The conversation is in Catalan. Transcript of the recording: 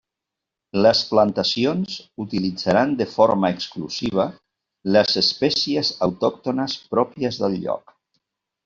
Les plantacions utilitzaran de forma exclusiva les espècies autòctones pròpies del lloc.